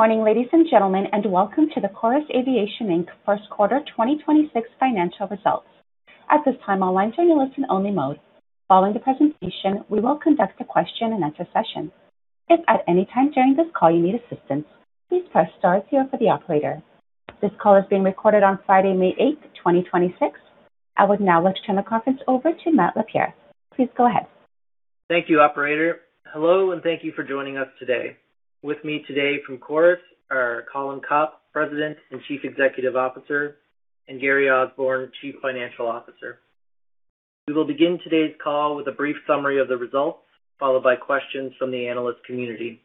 Morning, ladies and gentlemen, and welcome to the Chorus Aviation Inc. First quarter 2026 financial results. At this time, all lines are in a listen-only mode. Following the presentation, we will conduct a question-and-answer session. If at any time during this call you need assistance, please press star zero for the operator. This call is being recorded on Friday, May 8th, 2026. I would now like to turn the conference over to Matt LaPierre. Please go ahead. Thank you, operator. Hello, and thank you for joining us today. With me today from Chorus are Colin Copp, President and Chief Executive Officer, and Gary Osborne, Chief Financial Officer. We will begin today's call with a brief summary of the results, followed by questions from the analyst community.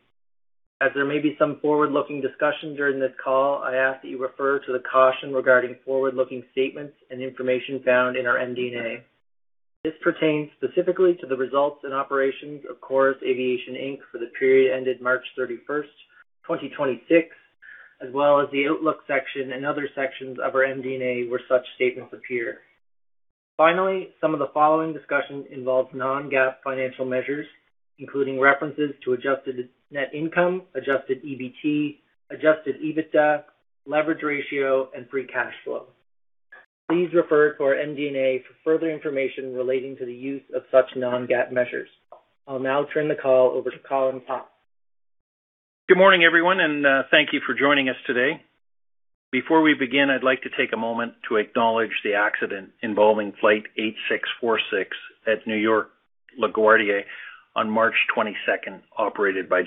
As there may be some forward-looking discussion during this call, I ask that you refer to the caution regarding forward-looking statements and information found in our MD&A. This pertains specifically to the results and operations of Chorus Aviation Inc. for the period ended March 31st, 2026, as well as the outlook section and other sections of our MD&A where such statements appear. Finally, some of the following discussion involves non-GAAP financial measures, including references to adjusted net income, adjusted EBT, adjusted EBITDA, leverage ratio, and free cash flow. Please refer to our MD&A for further information relating to the use of such non-GAAP measures. I'll now turn the call over to Colin Copp. Good morning, everyone, and thank you for joining us today. Before we begin, I'd like to take a moment to acknowledge the accident involving flight 8646 at New York LaGuardia on March 22nd, operated by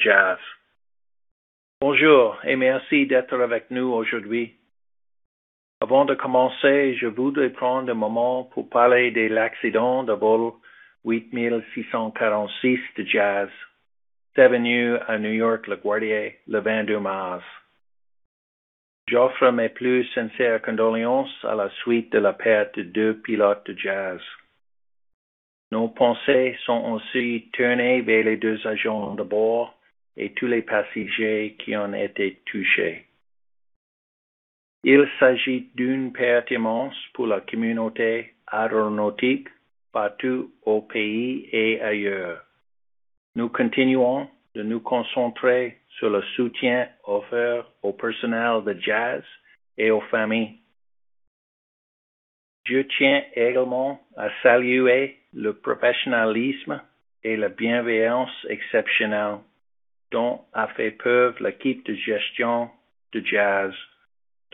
Jazz.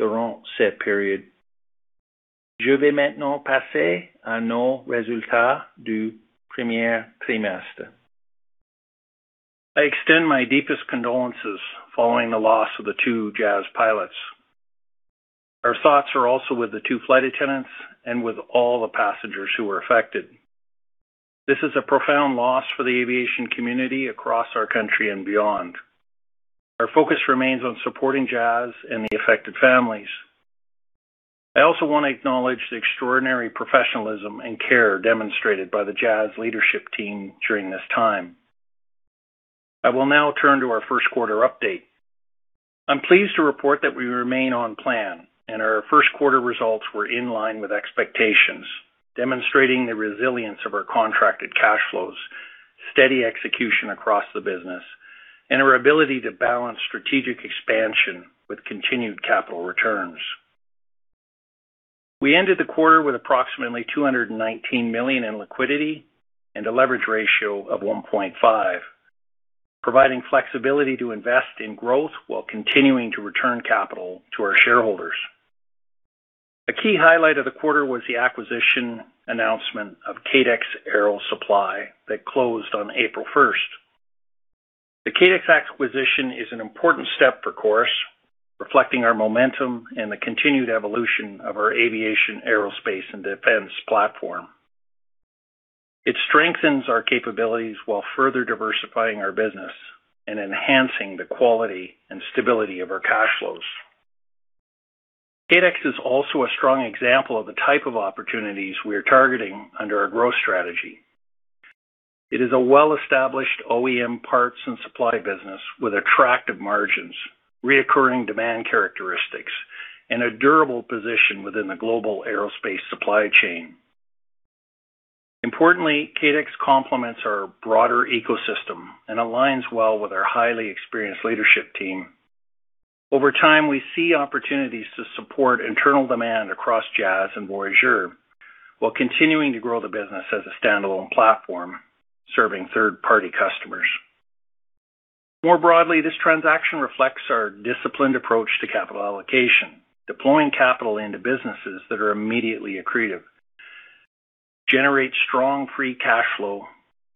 I extend my deepest condolences following the loss of the two Jazz pilots. Our thoughts are also with the two flight attendants and with all the passengers who were affected. This is a profound loss for the aviation community across our country and beyond. Our focus remains on supporting Jazz and the affected families. I also want to acknowledge the extraordinary professionalism and care demonstrated by the Jazz leadership team during this time. I will now turn to our first quarter update. I'm pleased to report that we remain on plan, and our first quarter results were in line with expectations, demonstrating the resilience of our contracted cash flows, steady execution across the business, and our ability to balance strategic expansion with continued capital returns. We ended the quarter with approximately 219 million in liquidity and a leverage ratio of 1.5, providing flexibility to invest in growth while continuing to return capital to our shareholders. A key highlight of the quarter was the acquisition announcement of KADEX Aero Supply that closed on April 1st. The KADEX acquisition is an important step for Chorus, reflecting our momentum and the continued evolution of our aviation, aerospace, and defense platform. It strengthens our capabilities while further diversifying our business and enhancing the quality and stability of our cash flows. KADEX is also a strong example of the type of opportunities we are targeting under our growth strategy. It is a well-established OEM parts and supply business with attractive margins, reoccurring demand characteristics, and a durable position within the global aerospace supply chain. Importantly, KADEX complements our broader ecosystem and aligns well with our highly experienced leadership team. Over time, we see opportunities to support internal demand across Jazz Aviation and Voyageur Aviation while continuing to grow the business as a standalone platform serving third-party customers. More broadly, this transaction reflects our disciplined approach to capital allocation, deploying capital into businesses that are immediately accretive, generate strong free cash flow,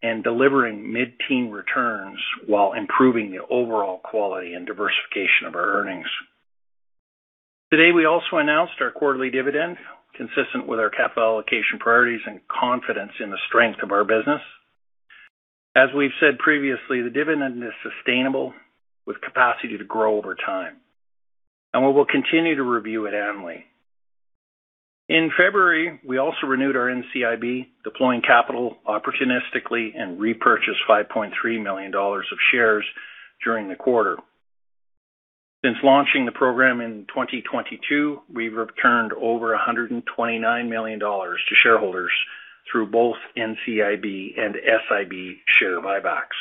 and delivering mid-teen returns while improving the overall quality and diversification of our earnings. Today, we also announced our quarterly dividend consistent with our capital allocation priorities and confidence in the strength of our business. As we've said previously, the dividend is sustainable with capacity to grow over time, and we will continue to review it annually. In February, we also renewed our NCIB, deploying capital opportunistically and repurchased 5.3 million dollars of shares during the quarter. Since launching the program in 2022, we've returned over 129 million dollars to shareholders through both NCIB and SIB share buybacks.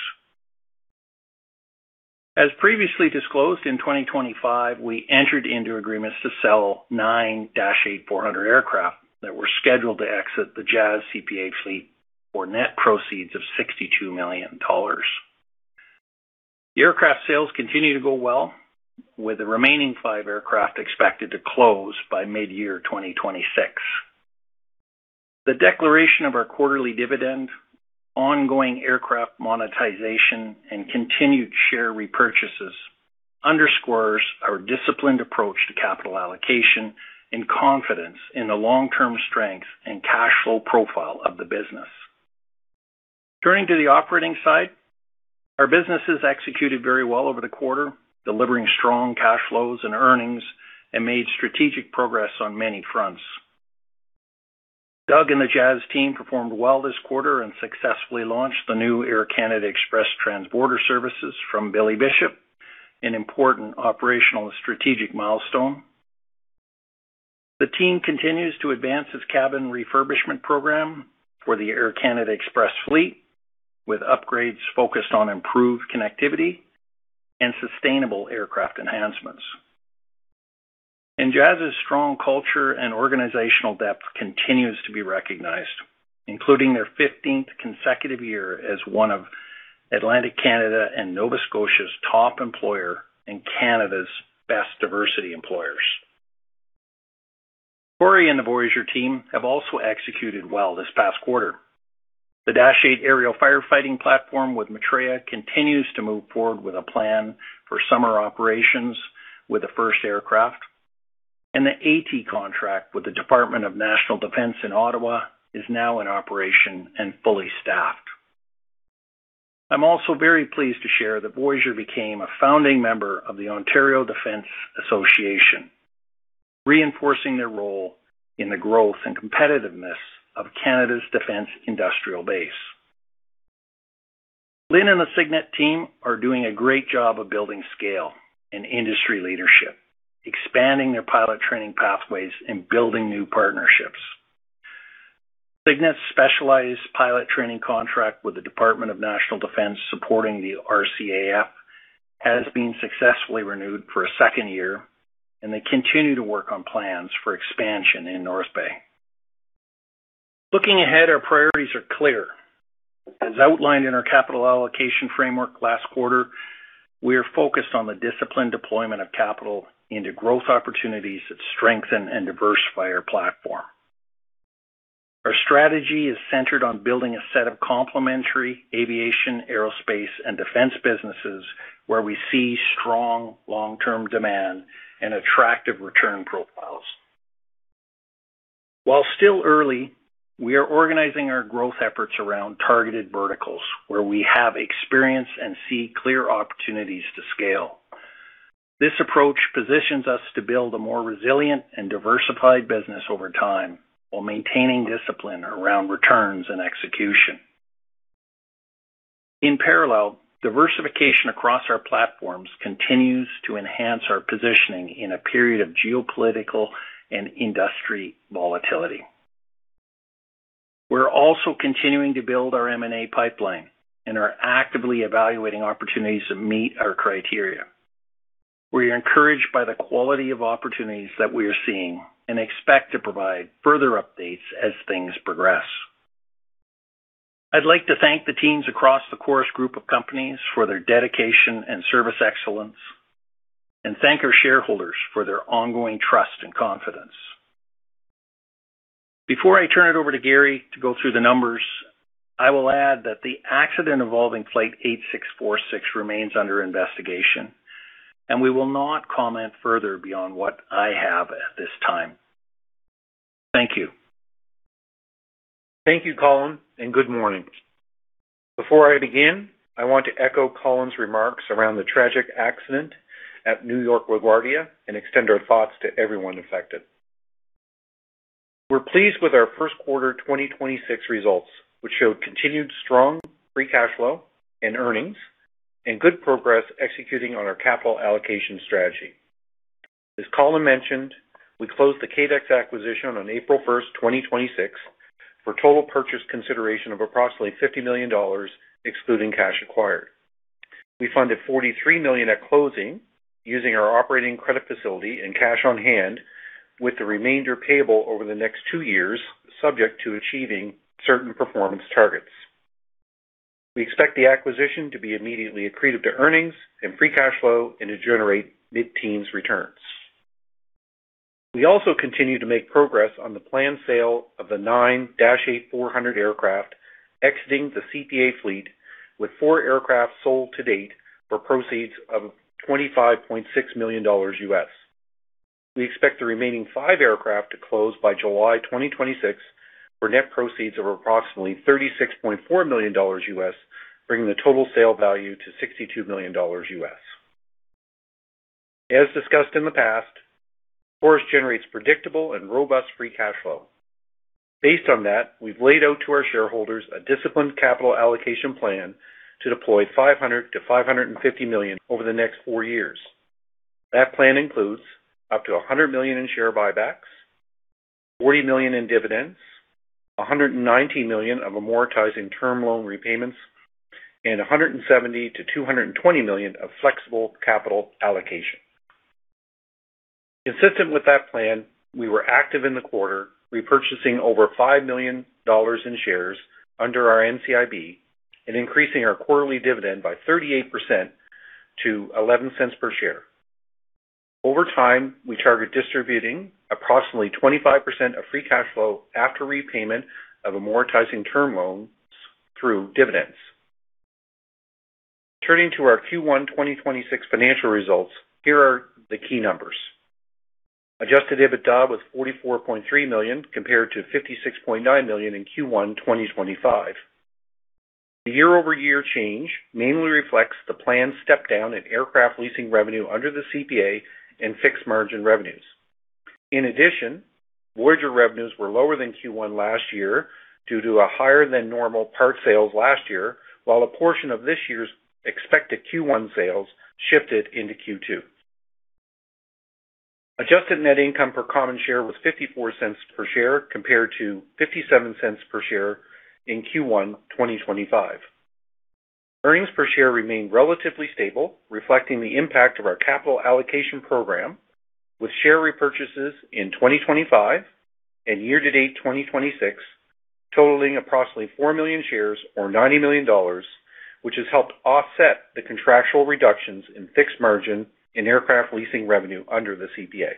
As previously disclosed, in 2025, we entered into agreements to sell 9 Dash 8-400 aircraft that were scheduled to exit the Jazz CPA fleet for net proceeds of $62 million USD. The aircraft sales continue to go well, with the remaining five aircraft expected to close by mid-year 2026. The declaration of our quarterly dividend, ongoing aircraft monetization, and continued share repurchases underscores our disciplined approach to capital allocation and confidence in the long-term strength and cash flow profile of the business. Turning to the operating side, our businesses executed very well over the quarter, delivering strong cash flows and earnings and made strategic progress on many fronts. Doug and the Jazz team performed well this quarter and successfully launched the new Air Canada Express transborder services from Billy Bishop, an important operational and strategic milestone. The team continues to advance its cabin refurbishment program for the Air Canada Express fleet, with upgrades focused on improved connectivity and sustainable aircraft enhancements. Jazz's strong culture and organizational depth continues to be recognized, including their 15th consecutive year as one of Atlantic Canada and Nova Scotia's top employer and Canada's Best Diversity Employers. Cory and the Voyageur team have also executed well this past quarter. The Dash 8 aerial firefighting platform with Metrea continues to move forward with a plan for summer operations with the first aircraft, and the AT contract with the Department of National Defence in Ottawa is now in operation and fully staffed. I'm also very pleased to share that Voyage became a founding member of the Ontario Defence Association, reinforcing their role in the growth and competitiveness of Canada's defence industrial base. Lynn and the Cygnet team are doing a great job of building scale and industry leadership, expanding their pilot training pathways and building new partnerships. Cygnet's specialized pilot training contract with the Department of National Defence supporting the RCAF has been successfully renewed for a second year, and they continue to work on plans for expansion in North Bay. Looking ahead, our priorities are clear. As outlined in our capital allocation framework last quarter, we are focused on the disciplined deployment of capital into growth opportunities that strengthen and diversify our platform. Our strategy is centered on building a set of complementary aviation, aerospace, and defense businesses where we see strong long-term demand and attractive return profiles. While still early, we are organizing our growth efforts around targeted verticals where we have experience and see clear opportunities to scale. This approach positions us to build a more resilient and diversified business over time while maintaining discipline around returns and execution. In parallel, diversification across our platforms continues to enhance our positioning in a period of geopolitical and industry volatility. We're also continuing to build our M&A pipeline and are actively evaluating opportunities that meet our criteria. We are encouraged by the quality of opportunities that we are seeing and expect to provide further updates as things progress. I'd like to thank the teams across the Chorus group of companies for their dedication and service excellence, and thank our shareholders for their ongoing trust and confidence. Before I turn it over to Gary to go through the numbers, I will add that the accident involving Flight 8646 remains under investigation, and we will not comment further beyond what I have at this time. Thank you. Thank you, Colin, and good morning. Before I begin, I want to echo Colin's remarks around the tragic accident at New York LaGuardia and extend our thoughts to everyone affected. We're pleased with our first quarter 2026 results, which showed continued strong free cash flow and earnings and good progress executing on our capital allocation strategy. As Colin mentioned, we closed the KADEX acquisition on April 1st, 2026, for total purchase consideration of approximately 50 million dollars, excluding cash acquired. We funded 43 million at closing using our operating credit facility and cash on hand, with the remainder payable over the next two years, subject to achieving certain performance targets. We expect the acquisition to be immediately accretive to earnings and free cash flow and to generate mid-teens returns. We also continue to make progress on the planned sale of the 9 Dash 8-400 aircraft exiting the CPA fleet, with four aircraft sold to date for proceeds of $25.6 million. We expect the remaining five aircraft to close by July 2026 for net proceeds of approximately $36.4 million, bringing the total sale value to $62 million. As discussed in the past, Chorus generates predictable and robust free cash flow. Based on that, we've laid out to our shareholders a disciplined capital allocation plan to deploy 500 million-550 million over the next four years. That plan includes up to 100 million in share buybacks, 40 million in dividends, 190 million of amortizing term loan repayments, and 170 million-220 million of flexible capital allocation. Consistent with that plan, we were active in the quarter, repurchasing over 5 million dollars in shares under our NCIB and increasing our quarterly dividend by 38% to 0.11 per share. Over time, we target distributing approximately 25% of free cash flow after repayment of amortizing term loans through dividends. Turning to our Q1 2026 financial results, here are the key numbers. adjusted EBITDA was 44.3 million, compared to 56.9 million in Q1 2025. The year-over-year change mainly reflects the planned step down in aircraft leasing revenue under the CPA and fixed margin revenues. In addition, Voyageur revenues were lower than Q1 last year due to a higher than normal part sales last year, while a portion of this year's expected Q1 sales shifted into Q2. Adjusted net income per common share was 0.54 per share compared to 0.57 per share in Q1 2025. Earnings per share remained relatively stable, reflecting the impact of our capital allocation program with share repurchases in 2025 and year-to-date 2026 totaling approximately 4 million shares or 90 million dollars, which has helped offset the contractual reductions in fixed margin in aircraft leasing revenue under the CPA.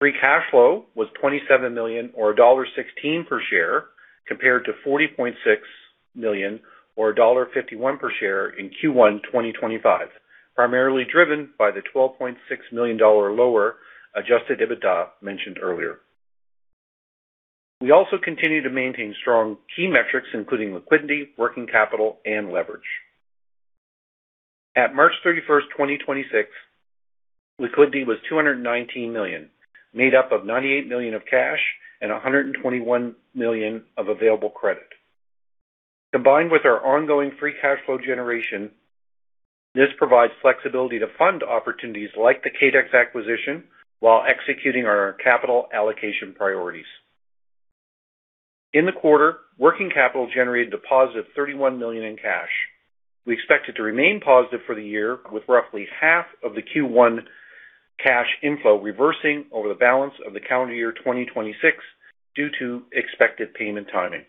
Free cash flow was CAD 27 million or CAD 1.16 per share, compared to CAD 40.6 million or CAD 1.51 per share in Q1 2025, primarily driven by the CAD 12.6 million lower adjusted EBITDA mentioned earlier. We also continue to maintain strong key metrics, including liquidity, working capital, and leverage. At March 31st, 2026, liquidity was 219 million, made up of 98 million of cash and 121 million of available credit. Combined with our ongoing free cash flow generation, this provides flexibility to fund opportunities like the KADEX acquisition while executing our capital allocation priorities. In the quarter, working capital generated a deposit of 31 million in cash. We expect it to remain positive for the year, with roughly half of the Q1 cash inflow reversing over the balance of the calendar year 2026 due to expected payment timing.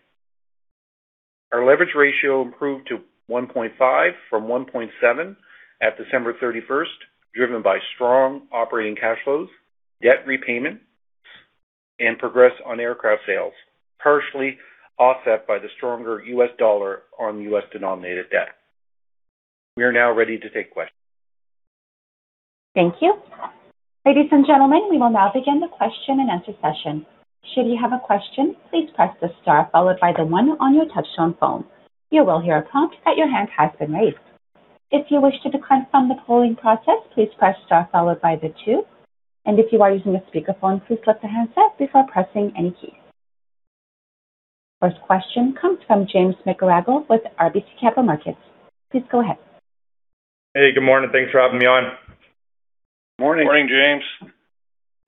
Our leverage ratio improved to 1.5 from 1.7 at December 31st, driven by strong operating cash flows, debt repayments, and progress on aircraft sales, partially offset by the stronger US dollar on US denominated debt. We are now ready to take questions. Thank you. Ladies and gentlemen, we will now begin the question and answer session. Should you have a question, please press the star followed by the one on your touchtone phone. You will hear a prompt that your hand has been raised. If you wish to decline from the polling process, please press star followed by the two. If you are using a speakerphone, please lift the handset before pressing any key. First question comes from James McGarragle with RBC Capital Markets. Please go ahead. Hey, good morning. Thanks for having me on. Morning. Morning, James.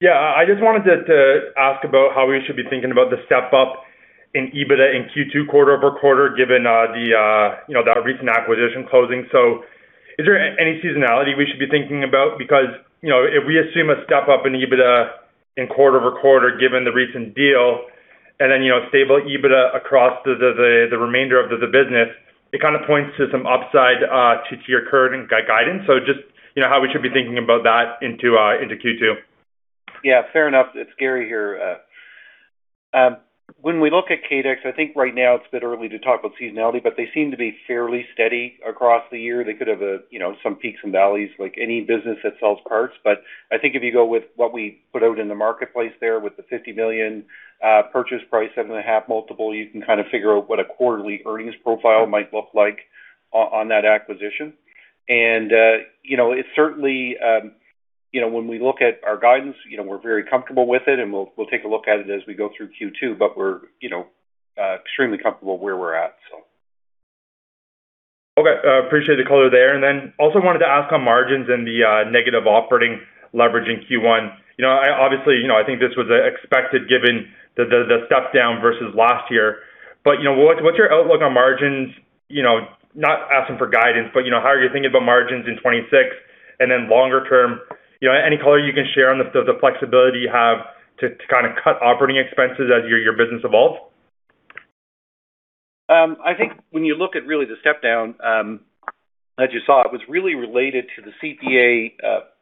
Yeah, I just wanted to ask about how we should be thinking about the step-up in EBITDA in Q2 quarter-over-quarter, given, you know, the recent acquisition closing. Is there any seasonality we should be thinking about? Because, you know, if we assume a step-up in EBITDA in quarter over quarter, given the recent deal, and then, you know, stable EBITDA across the remainder of the business, it kind of points to some upside to your current guidance. Just, you know, how we should be thinking about that into Q2. Yeah, fair enough. It's Gary here. When we look at KADEX, I think right now it's a bit early to talk about seasonality, but they seem to be fairly steady across the year. They could have a, you know, some peaks and valleys like any business that sells parts. I think if you go with what we put out in the marketplace there, with the 50 million purchase price, 7.5x multiple, you can kind of figure out what a quarterly earnings profile might look like on that acquisition. You know, it certainly, you know, when we look at our guidance, you know, we're very comfortable with it, and we'll take a look at it as we go through Q2, but we're, you know, extremely comfortable where we're at. Okay. Appreciate the color there. Also wanted to ask on margins and the negative operating leverage in Q1. You know, I obviously, you know, I think this was expected given the step down versus last year. You know, what's your outlook on margins? You know, not asking for guidance, but, you know, how are you thinking about margins in 2026 and then longer term, you know, any color you can share on the flexibility you have to kind of cut operating expenses as your business evolves? I think when you look at really the step-down, as you saw, it was really related to the CPA,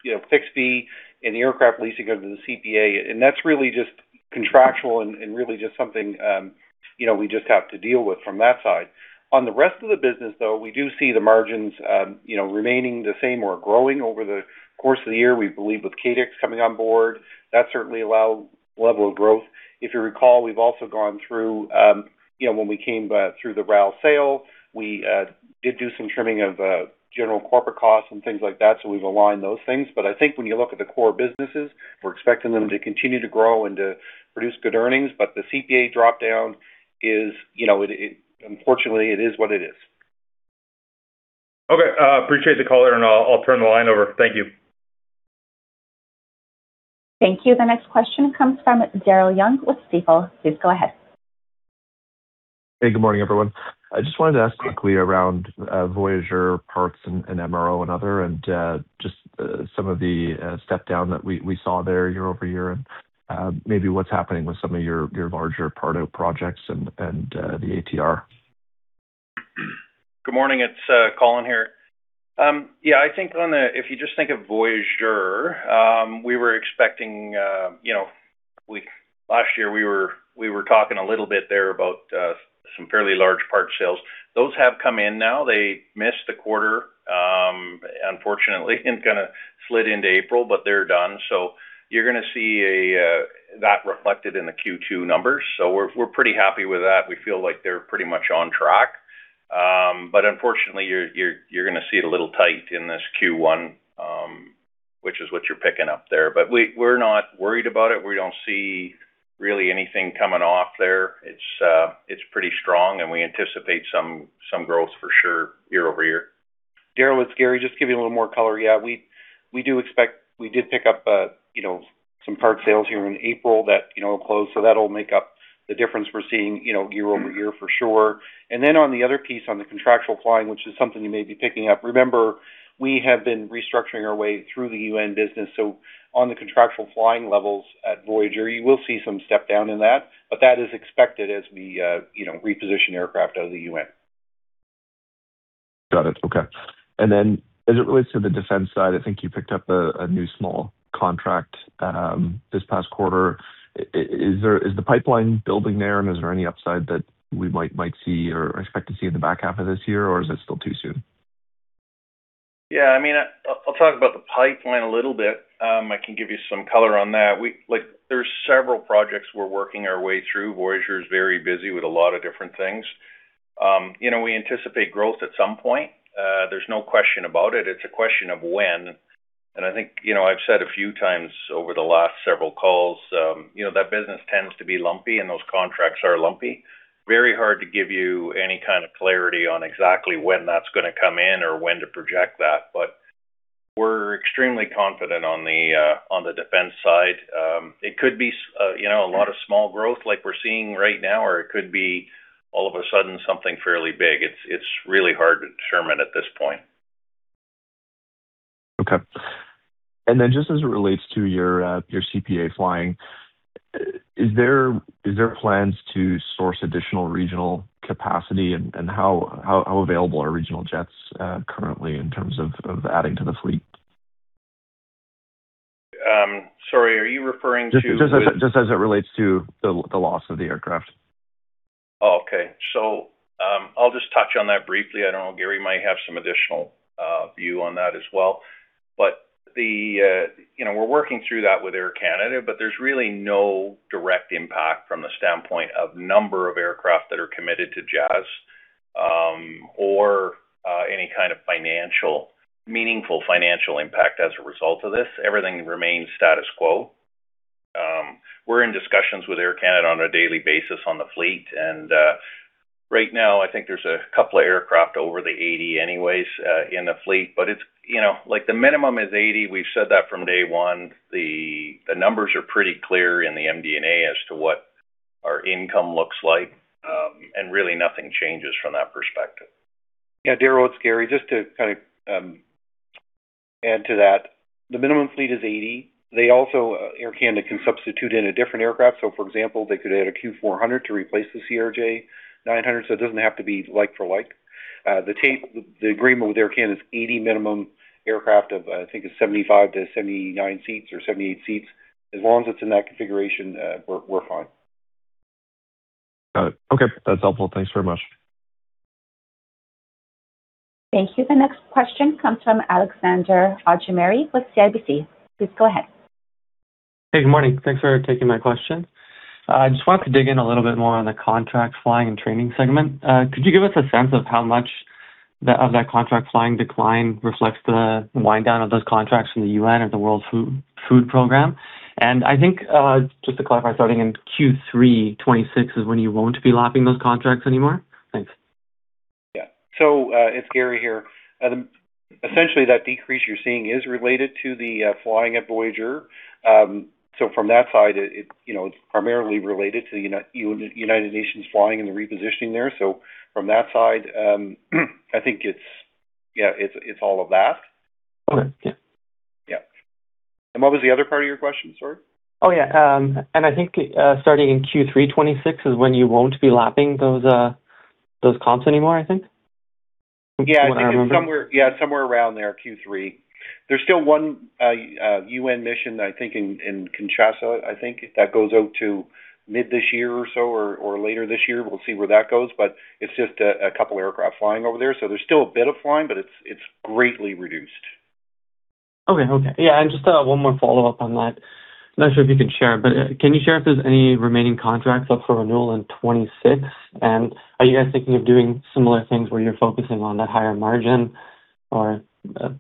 you know, fixed fee and the aircraft leasing under the CPA, That's really just contractual and really just something, you know, we just have to deal with from that side. On the rest of the business, though, we do see the margins, you know, remaining the same or growing over the course of the year. We believe with KADEX coming on board, that certainly allow level of growth. If you recall, we've also gone through, you know, when we came through the RAL sale, we did do some trimming of general corporate costs and things like that, We've aligned those things. I think when you look at the core businesses, we're expecting them to continue to grow and to produce good earnings. The CPA dropdown is, you know, it unfortunately, it is what it is. Okay. Appreciate the color, and I'll turn the line over. Thank you. Thank you. The next question comes from Daryl Young with Stifel. Please go ahead. Hey, good morning, everyone. I just wanted to ask quickly around Voyageur parts and MRO and other and just some of the step down that we saw there year-over-year and maybe what's happening with some of your larger part out projects and the ATR. Good morning, it's Colin here. I think on the If you just think of Voyageur, we were expecting last year we were talking a little bit there about some fairly large part sales. Those have come in now. They missed the quarter, unfortunately, and gonna slid into April, but they're done. You're gonna see that reflected in the Q2 numbers. We're pretty happy with that. We feel like they're pretty much on track. Unfortunately, you're gonna see it a little tight in this Q1, which is what you're picking up there. We're not worried about it. We don't see really anything coming off there. It's pretty strong, we anticipate some growth for sure year-over-year. Daryl Young, it's Gary Osborne. Just to give you a little more color. We did pick up, you know, some part sales here in April that, you know, will close. That'll make up the difference we're seeing, you know, year over year for sure. On the other piece, on the contractual flying, which is something you may be picking up, remember, we have been restructuring our way through the UN business. On the contractual flying levels at Voyageur Aviation, you will see some step down in that, but that is expected as we, you know, reposition aircraft out of the UN. Got it. Okay. As it relates to the defense side, I think you picked up a new small contract this past quarter. Is the pipeline building there, and is there any upside that we might see or expect to see in the back half of this year, or is it still too soon? Yeah, I mean, I'll talk about the pipeline a little bit. I can give you some color on that. There's several projects we're working our way through. Voyageur is very busy with a lot of different things. You know, we anticipate growth at some point. There's no question about it. It's a question of when. I think, you know, I've said a few times over the last several calls, you know, that business tends to be lumpy, and those contracts are lumpy. Very hard to give you any kind of clarity on exactly when that's gonna come in or when to project that. We're extremely confident on the defense side. It could be, you know, a lot of small growth like we're seeing right now, or it could be all of a sudden something fairly big. It's really hard to determine at this point. Okay. Just as it relates to your CPA flying, is there plans to source additional regional capacity? How available are regional jets currently in terms of adding to the fleet? Sorry, are you referring to- Just as it relates to the loss of the aircraft. I'll just touch on that briefly. I don't know, Gary might have some additional view on that as well. You know, we're working through that with Air Canada, but there's really no direct impact from the standpoint of number of aircraft that are committed to Jazz, or any kind of meaningful financial impact as a result of this. Everything remains status quo. We're in discussions with Air Canada on a daily basis on the fleet. Right now, I think there's a couple of aircraft over the 80 anyways, in the fleet. You know, like the minimum is 80. We've said that from day 1. The numbers are pretty clear in the MD&A as to what our income looks like. Really nothing changes from that perspective. Yeah. Daryl, it's Gary. Just to kind of add to that, the minimum fleet is 80. They also, Air Canada can substitute in a different aircraft. For example, they could add a Q400 to replace the CRJ900, so it doesn't have to be like for like. The agreement with Air Canada is 80 minimum aircraft of, I think it's 75 to 79 seats or 78 seats. As long as it's in that configuration, we're fine. Got it. Okay. That's helpful. Thanks very much. Thank you. The next question comes from Alexander Augimeri with CIBC. Please go ahead. Hey, good morning. Thanks for taking my question. I just wanted to dig in a little bit more on the contract flying and training segment. Could you give us a sense of how much of that contract flying decline reflects the wind down of those contracts from the UN or the World Food Programme? I think, just to clarify, starting in Q3 2026 is when you won't be lapping those contracts anymore? Thanks. It's Gary here. Essentially, that decrease you're seeing is related to the flying at Voyageur Aviation. From that side it, you know, it's primarily related to United Nations flying and the repositioning there. From that side, I think it's all of that. Okay. Yeah. Yeah. What was the other part of your question? Sorry. Oh, yeah. I think, starting in Q3 2026 is when you won't be lapping those comps anymore, I think. Yeah. From what I remember. I think somewhere, yeah, somewhere around there, Q3. There's still one UN mission, I think in Kinshasa, I think that goes out to mid this year or so or later this year. We'll see where that goes, it's just a couple aircraft flying over there. There's still a bit of flying, it's greatly reduced. Okay. Okay. Yeah, just one more follow-up on that. I'm not sure if you can share, but can you share if there's any remaining contracts up for renewal in 2026? Are you guys thinking of doing similar things where you're focusing on the higher margin?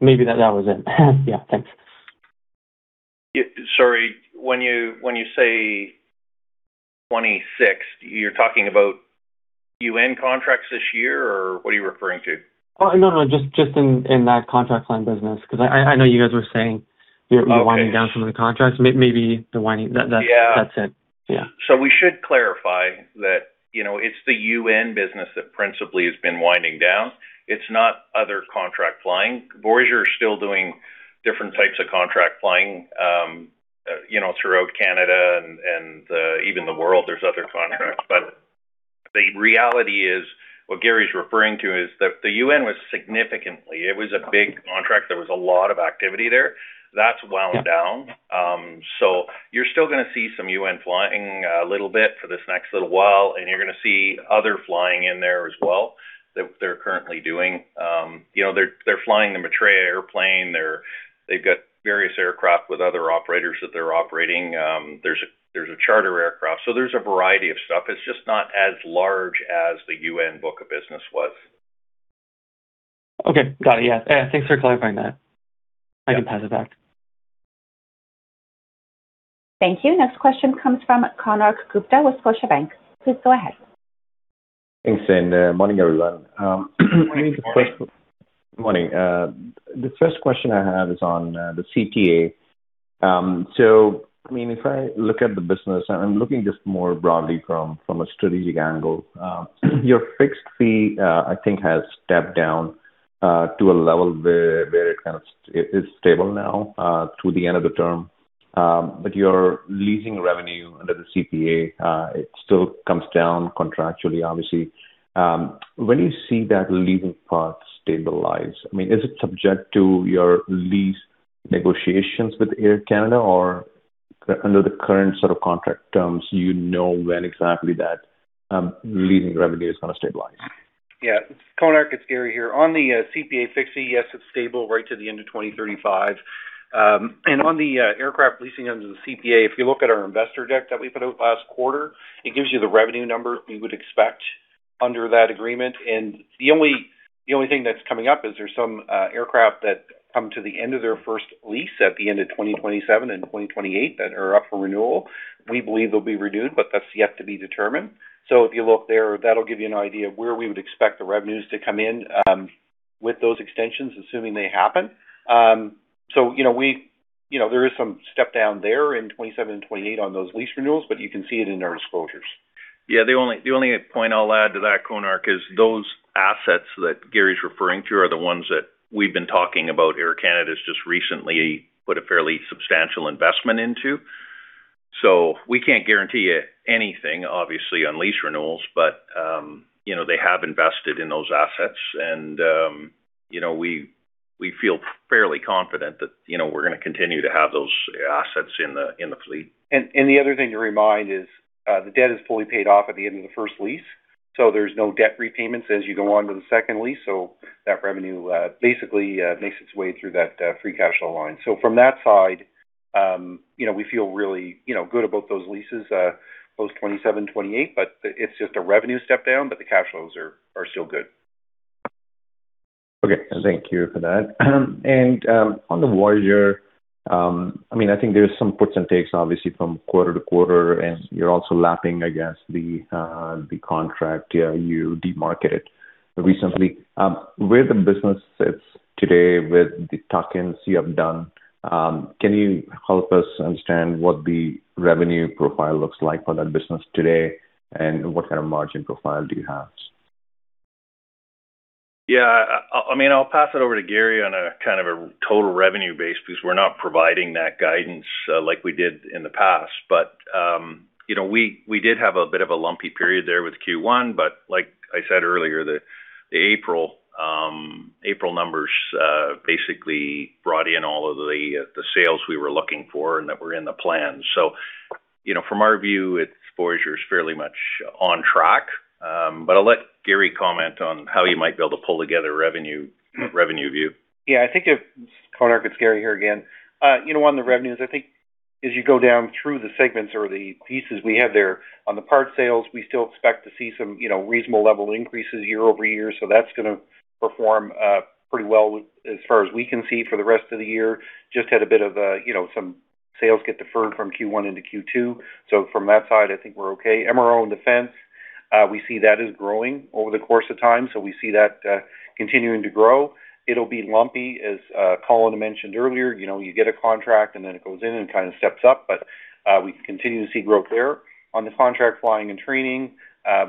Maybe that was it. Yeah. Thanks. Yeah. Sorry, when you say 26. You're talking about UN contracts this year, or what are you referring to? Oh, no, just in that contract flying business, 'cause I know you guys were saying. Okay. Winding down some of the contracts. Yeah. That's it. Yeah. We should clarify that, you know, it's the UN business that principally has been winding down. It's not other contract flying. Voyageur's still doing different types of contract flying, you know, throughout Canada and even the world, there's other contracts. The reality is, what Gary's referring to is the UN was significantly. It was a big contract. There was a lot of activity there. That's wound down. You're still gonna see some UN flying, a little bit for this next little while, and you're gonna see other flying in there as well that they're currently doing. You know, they're flying the Metrea airplane. They've got various aircraft with other operators that they're operating. There's a charter aircraft. There's a variety of stuff. It's just not as large as the UN book of business was. Okay. Got it. Yeah. Thanks for clarifying that. I can pass it back. Thank you. Next question comes from Konark Gupta with Scotiabank. Please go ahead. Thanks, morning, everyone. Morning. Morning. The first question I have is on the CPA. I mean, if I look at the business, and I'm looking just more broadly from a strategic angle, your fixed fee, I think, has stepped down to a level where it kind of is stable now to the end of the term. Your leasing revenue under the CPA, it still comes down contractually, obviously. When you see that leasing part stabilize, I mean, is it subject to your lease negotiations with Air Canada, or under the current sort of contract terms, you know when exactly that leasing revenue is gonna stabilize? Konark, it's Gary here. On the CPA fixed fee, yes, it's stable right to the end of 2035. On the aircraft leasing under the CPA, if you look at our investor deck that we put out last quarter, it gives you the revenue numbers we would expect under that agreement. The only thing that's coming up is there's some aircraft that come to the end of their first lease at the end of 2027 and 2028 that are up for renewal. We believe they'll be renewed, that's yet to be determined. If you look there, that'll give you an idea of where we would expect the revenues to come in with those extensions, assuming they happen. You know, there is some step down there in 27 and 28 on those lease renewals, but you can see it in our disclosures. Yeah. The only point I'll add to that, Konark, is those assets that Gary's referring to are the ones that we've been talking about Air Canada's just recently put a fairly substantial investment into. We can't guarantee anything, obviously, on lease renewals, but, you know, they have invested in those assets and, you know, we feel fairly confident that, you know, we're gonna continue to have those assets in the fleet. The other thing to remind is, the debt is fully paid off at the end of the first lease, so there's no debt repayments as you go on to the second lease. That revenue, basically, makes its way through that free cash flow line. From that side, you know, we feel really, you know, good about those leases, post 2027, 2028, but it's just a revenue step down, but the cash flows are still good. Okay. Thank you for that. I mean, I think there's some puts and takes obviously from quarter-to-quarter, and you're also lapping, I guess, the contract you demarketed recently. Where the business sits today with the tuck-ins you have done, can you help us understand what the revenue profile looks like for that business today and what kind of margin profile do you have? I mean, I'll pass it over to Gary on a kind of a total revenue base because we're not providing that guidance, like we did in the past. You know, we did have a bit of a lumpy period there with Q1, but like I said earlier, the April numbers basically brought in all of the sales we were looking for and that were in the plan. You know, from our view, Voyageur is fairly much on track. But I'll let Gary comment on how you might be able to pull together revenue view. Yeah. I think if Konark, it's Gary here again. You know, on the revenues, I think as you go down through the segments or the pieces we have there, on the part sales, we still expect to see some, you know, reasonable level increases year over year. That's gonna perform pretty well with as far as we can see for the rest of the year. Just had a bit of a, you know, some sales get deferred from Q1 into Q2. From that side, I think we're okay. MRO and defense, we see that is growing over the course of time, so we see that continuing to grow. It'll be lumpy, as Colin mentioned earlier. You know, you get a contract, and then it goes in and kind of steps up. We continue to see growth there. On the contract flying and training,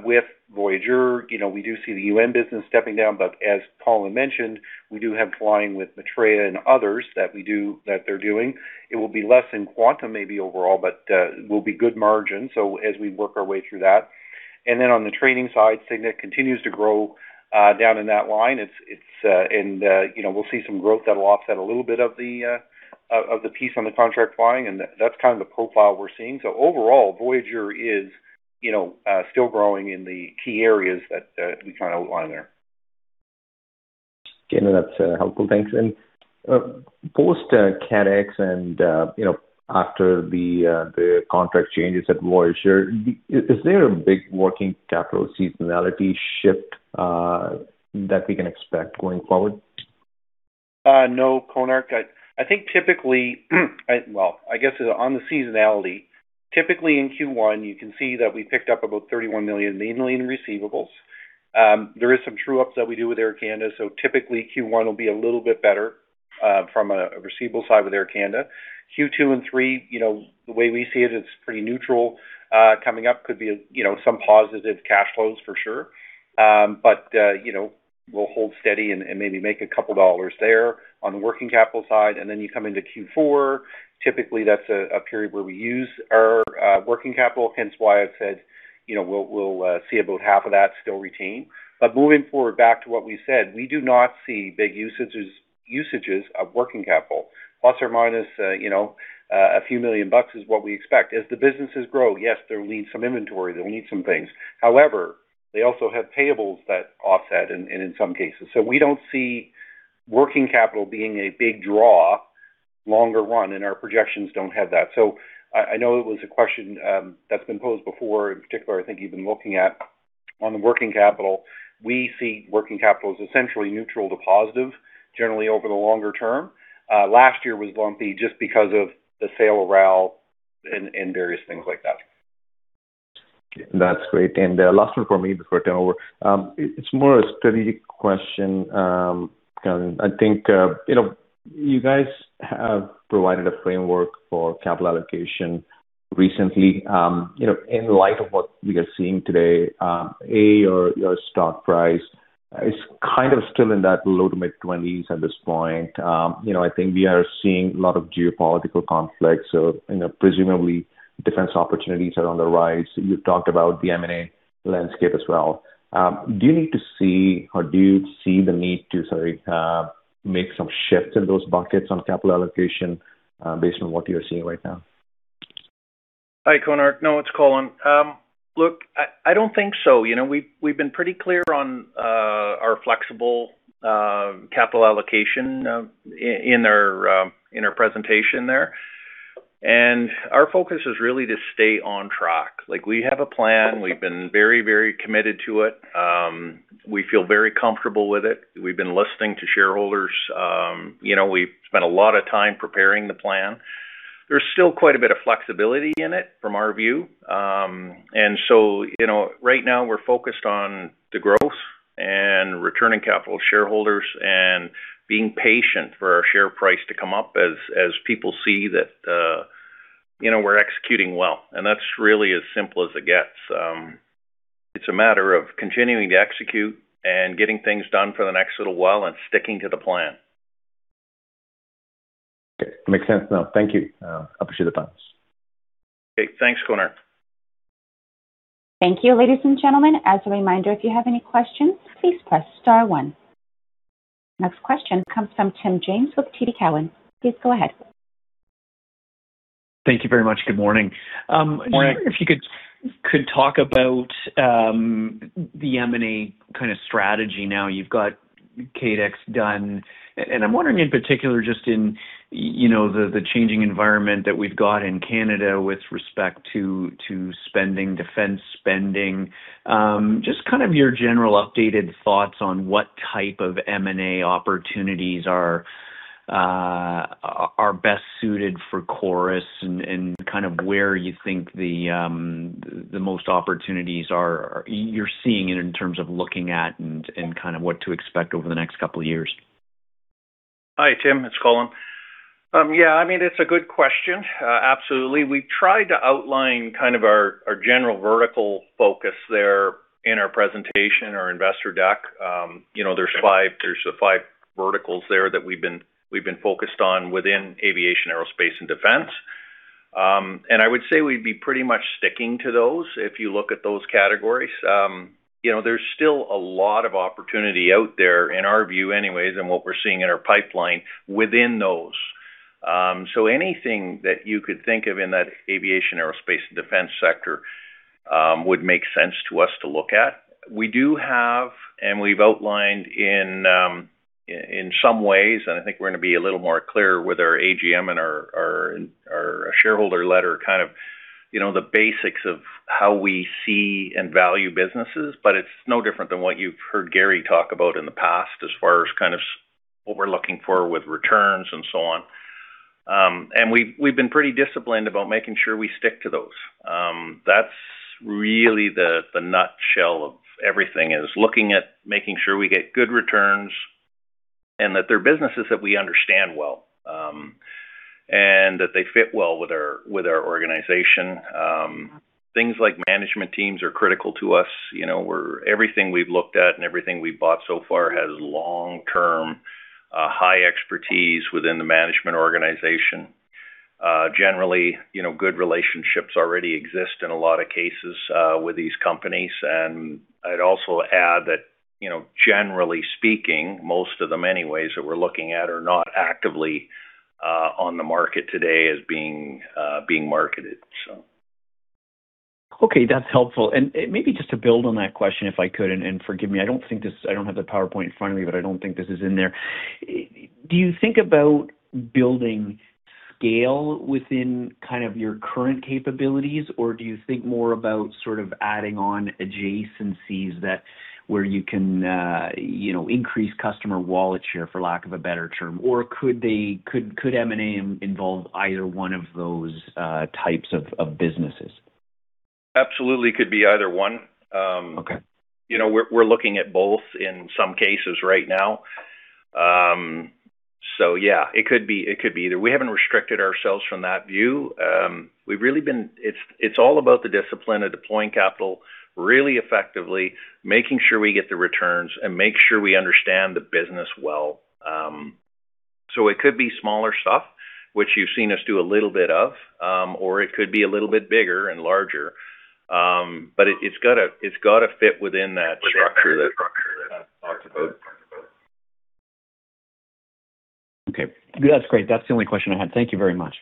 with Voyageur, you know, we do see the UN business stepping down. As Colin mentioned, we do have flying with Metrea and others that we do, that they're doing. It will be less in quantum, maybe overall, but will be good margin, as we work our way through that. Then on the training side, Cygnet continues to grow down in that line. It's, and, you know, we'll see some growth that'll offset a little bit of the of the piece on the contract flying, and that's kind of the profile we're seeing. Overall, Voyageur is, you know, still growing in the key areas that we kinda outlined there. Okay. No, that's helpful. Thanks. Post KADEX and, you know, after the contract changes at Voyageur, is there a big working capital seasonality shift that we can expect going forward? No, Konark. I think typically, I guess on the seasonality, typically in Q1, you can see that we picked up about 31 million, mainly in receivables. There is some true ups that we do with Air Canada, so typically Q1 will be a little bit better from a receivable side with Air Canada. Q2 and 3, you know, the way we see it's pretty neutral. Coming up could be a, you know, some positive cash flows for sure. But, you know, we'll hold steady and maybe make a couple dollars there on the working capital side. Then you come into Q4, typically that's a period where we use our working capital, hence why I've said, you know, we'll see about half of that still retain. Moving forward back to what we said, we do not see big usages of working capital, ± a few million bucks is what we expect. As the businesses grow, yes, they'll need some inventory, they'll need some things. However, they also have payables that offset in some cases. We don't see working capital being a big draw longer run, and our projections don't have that. I know it was a question that's been posed before. In particular, I think you've been looking at on the working capital. We see working capital as essentially neutral to positive generally over the longer term. Last year was lumpy just because of the sale of RAL and various things like that. Okay. That's great. Last one for me before I turn over. It's more a strategic question, Colin. You know, you guys have provided a framework for capital allocation recently. You know, in light of what we are seeing today, A, your stock price is kind of still in that low to mid twenties at this point. You know, we are seeing a lot of geopolitical conflict, so, you know, presumably defense opportunities are on the rise. You talked about the M&A landscape as well. Do you need to see or do you see the need to make some shifts in those buckets on capital allocation based on what you're seeing right now? Hi, Konark. No, it's Colin. Look, I don't think so. You know, we've been pretty clear on our flexible capital allocation in our presentation there. Our focus is really to stay on track. Like, we have a plan. We've been very committed to it. We feel very comfortable with it. We've been listening to shareholders. You know, we've spent a lot of time preparing the plan. There's still quite a bit of flexibility in it from our view. You know, right now we're focused on the growth and returning capital to shareholders and being patient for our share price to come up as people see that, you know, we're executing well, and that's really as simple as it gets. It's a matter of continuing to execute and getting things done for the next little while and sticking to the plan. Okay. Makes sense now. Thank you. Appreciate the thoughts. Okay. Thanks, Konark. Thank you, ladies and gentlemen. As a reminder, if you have any questions, please press star one. Next question comes from Tim James with TD Cowen. Please go ahead. Thank you very much. Good morning. Morning. If you could talk about the M&A kind of strategy now you've got KADEX done, I'm wondering in particular just in, you know, the changing environment that we've got in Canada with respect to spending, defense spending, just kind of your general updated thoughts on what type of M&A opportunities are best suited for Chorus and kind of where you think the most opportunities are you're seeing in terms of looking at and kind of what to expect over the next couple of years? Hi, Tim. It's Colin. Yeah, I mean, it's a good question. Absolutely. We tried to outline kind of our general vertical focus there in our presentation, our investor deck. You know, there's the five verticals there that we've been focused on within aviation, aerospace, and defense. I would say we'd be pretty much sticking to those if you look at those categories. You know, there's still a lot of opportunity out there, in our view anyways, and what we're seeing in our pipeline within those. Anything that you could think of in that aviation, aerospace, and defense sector would make sense to us to look at. We do have, and we've outlined in some ways, and I think we're gonna be a little more clear with our AGM and our shareholder letter kind of, you know, the basics of how we see and value businesses, but it's no different than what you've heard Gary talk about in the past as far as kind of what we're looking for with returns and so on. We've been pretty disciplined about making sure we stick to those. That's really the nutshell of everything, is looking at making sure we get good returns and that they're businesses that we understand well, and that they fit well with our organization. Things like management teams are critical to us. You know, everything we've looked at and everything we've bought so far has long-term, high expertise within the management organization. Generally, you know, good relationships already exist in a lot of cases with these companies. I'd also add that, you know, generally speaking, most of them anyways that we're looking at are not actively on the market today as being marketed, so. Okay, that's helpful. Maybe just to build on that question, if I could, and forgive me, I don't have the PowerPoint in front of me, but I don't think this is in there. Do you think about building scale within kind of your current capabilities, or do you think more about sort of adding on adjacencies that where you can, you know, increase customer wallet share, for lack of a better term? Could they, could M&A involve either one of those, types of businesses? Absolutely could be either one. Okay. You know, we're looking at both in some cases right now. Yeah, it could be either. We haven't restricted ourselves from that view. It's all about the discipline of deploying capital really effectively, making sure we get the returns, and make sure we understand the business well. It could be smaller stuff, which you've seen us do a little bit of, or it could be a little bit bigger and larger. It's gotta fit within that structure that I've talked about. Okay. That's great. That's the only question I had. Thank you very much.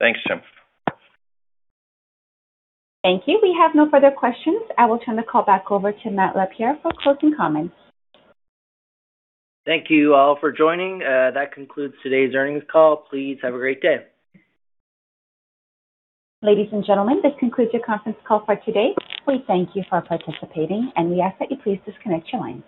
Thanks, Tim. Thank you. We have no further questions. I will turn the call back over to Matt LaPierre for closing comments. Thank you all for joining. That concludes today's earnings call. Please have a great day. Ladies and gentlemen, this concludes your conference call for today. We thank you for participating, and we ask that you please disconnect your lines.